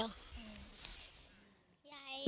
งาน